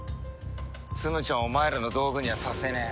ツムちゃんをお前らの道具にはさせねえ。